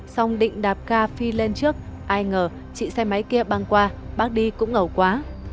xong định đạp ca phi lên trước ai ngờ chị xe máy kia băng qua bác đi cũng ẩu quá